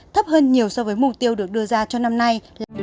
thấp hơn nhiều so với mục tiêu được đưa ra cho năm nay